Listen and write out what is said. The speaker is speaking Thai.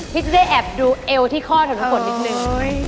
ที่จะได้แอบดูเอวที่ข้อเถอะทุกคนนิดนึง